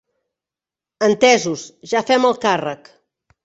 Entesos, ja fem el càrrec.